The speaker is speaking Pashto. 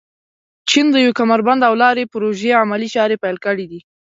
چین د یو کمربند او لارې پروژې عملي چارې پيل کړي دي.